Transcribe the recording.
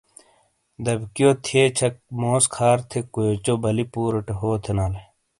دبیکیو تھیے چھک موس کھار تھے کویوچو بَلی پوروٹے ہو تھینالے۔